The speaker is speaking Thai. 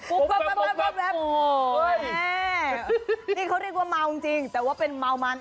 แม่นี่เขาเรียกว่าเมาจริงแต่ว่าเป็นเมามัน